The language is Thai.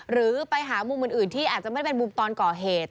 หรือไปหามุมอื่นที่อาจจะไม่เป็นมุมตอนก่อเหตุ